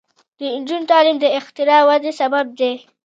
د نجونو تعلیم د اختراع ودې سبب دی.